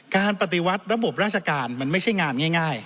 ปฏิวัติระบบราชการมันไม่ใช่งานง่าย